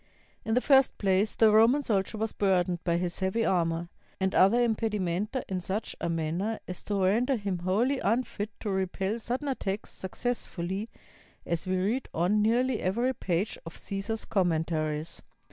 In the first place, the Roman soldier was burdened by his heavy armor and other impedimenta in such a manner as to render him wholly unfit to repel sudden attacks suc cessfully, as we read on nearly every page of Caesar's " Commentaries."